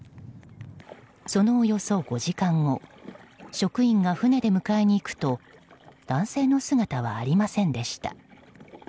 そのおよそ５時間後職員が船で迎えに行くと男性の姿はありませんでした。